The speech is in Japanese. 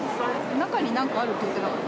中になんかあるって言ってなかった？